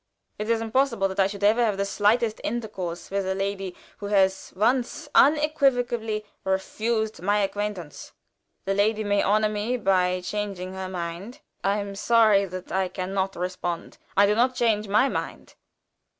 It is impossible that I should ever have the slightest intercourse with a lady who has once unequivocally refused my acquaintance. The lady may honor me by changing her mind; I am sorry that I can not respond. I do not change my mind."